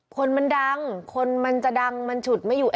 คนมันดังคนมันจะดังมันฉุดไม่อยู่